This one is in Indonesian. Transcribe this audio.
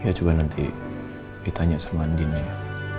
ya coba nanti ditanya sama andina ya